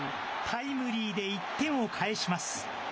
タイムリーで１点を返します。